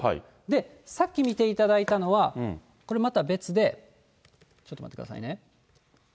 で、さっき見ていただいたのは、これまた別で、ちょっと待ってくださいね。